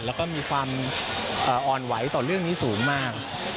แล้วก็มีความอ่อนไหวต่อเรื่องนี้สูงมาก